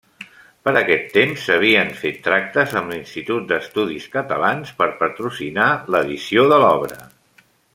Per aquest temps s'havia fet tractes amb l'Institut d'Estudis Catalans, per patrocinar l'edició de l'obra.